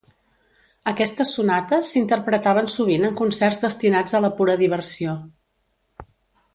Aquestes sonates s'interpretaven sovint en concerts destinats a la pura diversió.